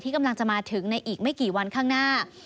กำลังจะมาถึงในอีกไม่กี่วันข้างหน้า